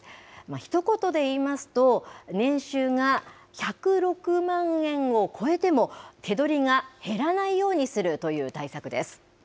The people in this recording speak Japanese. ひと言で言いますと、年収が１０６万円を超えても、手取りが減らないようにするという対策です。